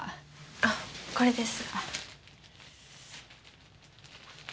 あこれです。